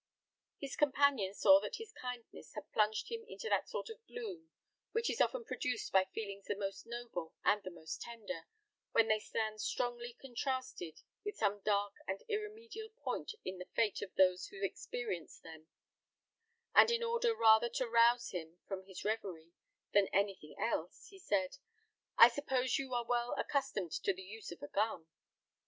His companion saw that his kindness had plunged him into that sort of gloom which is often produced by feelings the most noble and the most tender, when they stand strongly contrasted with some dark and irremediable point in the fate of those who experience them; and in order rather to rouse him from his reverie than anything else, he said, "I suppose you are well accustomed to the use of a gun."